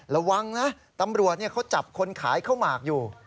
ระวังนะตำรวจเขาจับคนขายข้าวหมากอยู่